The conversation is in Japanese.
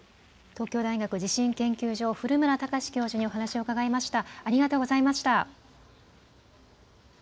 東京大学地震研究所の古村孝志教授にお話を伺いました。